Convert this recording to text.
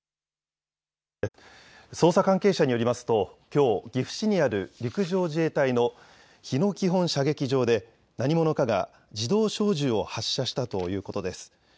捜査関係者によりますときょう、岐阜市にある陸上自衛隊の日野基本射撃場で何者かが自動小銃を発射したということです。